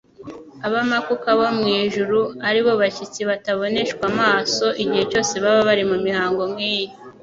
Abamakuka bo mu ijuru, ari bo bashyitsi bataboneshwa amaso igihe cyose baba bari mu mihango nk'iyo.